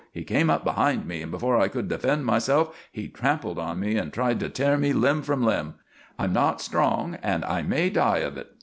"He came up behind me, and, before I could defend myself, he trampled on me and tried to tear me limb from limb. I'm not strong, and I may die of it.